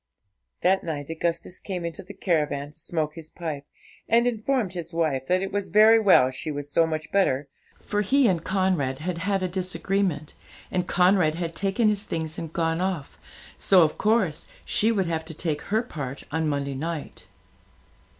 That night Augustus came into the caravan to smoke his pipe, and informed his wife that it was very well she was so much better, for he and Conrad had had a disagreement, and Conrad had taken his things and gone off, so of course she would have to take her part on Monday night.